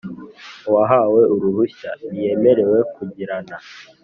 Uwahawe uruhushya ntiyemerewe kugirana